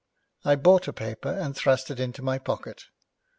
I bought a paper and thrust it into my pocket.